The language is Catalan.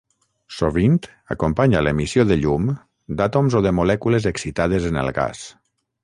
Sovint acompanya l'emissió de llum d'àtoms o de molècules excitades en el gas.